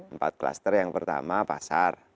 empat kluster yang pertama pasar